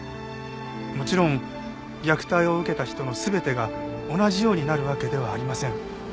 もちろん虐待を受けた人の全てが同じようになるわけではありません。